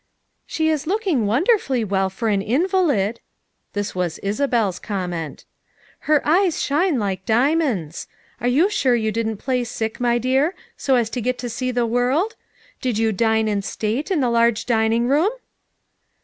"She is looking wonderfully well for an in valid.' ' This was Isabel's comment. "Her eyes shine like diamonds. Are you sure you didn't play sick, my dear, so as to get to see the world? Did you dine in state in the large dining room?"